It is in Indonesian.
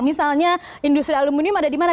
misalnya industri aluminium ada di mana